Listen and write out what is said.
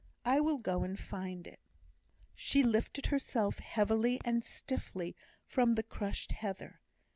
I will go and find it." She lifted herself heavily and stiffly from the crushed heather.